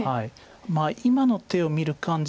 今の手を見る感じ